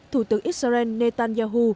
thủ tướng israel netanyahu